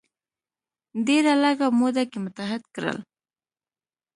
ډیره لږه موده کې متحد کړل.